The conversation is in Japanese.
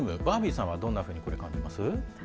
バービーさんはどんなふうにお感じですか？